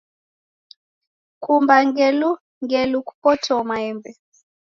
Kumba ngulengule kupotoo maembe